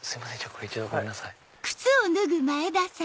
これ一度ごめんなさい。